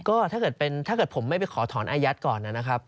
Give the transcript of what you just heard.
ก็ถ้าเกิดเป็นถ้าเกิดผมไม่ไปขอถอนอายัดก่อนนะครับ